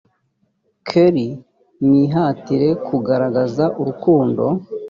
kr mwihatire kugaragaza urukundo